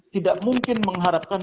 tidak mungkin mengharapkan